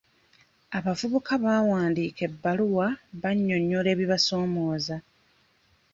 Abavubuka baawandiika ebbaluwa bannyonnyola ebibasomooza.